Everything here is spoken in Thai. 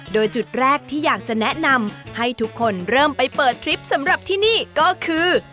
โดยจุดแรกที่อยากจะแนะนำให้ทุกคนเริ่มไปเปิดทริปสำหรับที่นี่ก็คือ